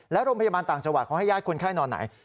แล้วโรงพยาบาลต่างจังหวัดเขาให้ญาติคนไข้นอนไหน